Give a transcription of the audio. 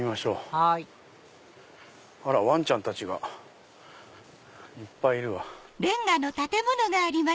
はいあらわんちゃんたちがいっぱいいるわ。